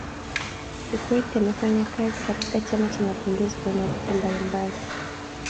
kikwete amefanya kazi katika chama cha mapinduzi kwa nyadhifa mbalimbali